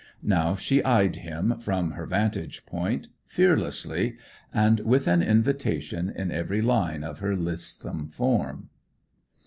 Now she eyed him, from her vantage point, fearlessly, and with invitation in every line of her lissom form.